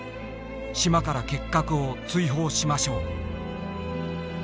島から結核を追放しましょう」。